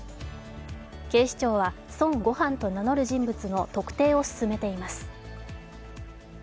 警視庁は孫悟飯と名乗る人物の特定を進めています。